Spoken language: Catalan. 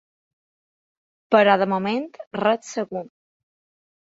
Però de moment res segur.